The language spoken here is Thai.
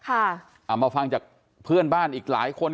เอามาฟังจากเพื่อนบ้านอีกหลายคน